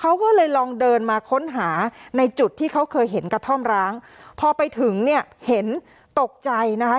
เขาก็เลยลองเดินมาค้นหาในจุดที่เขาเคยเห็นกระท่อมร้างพอไปถึงเนี่ยเห็นตกใจนะคะ